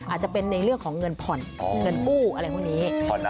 อาจจะเป็นในเรื่องของเงินผ่อนเงินกู้อะไรพวกนี้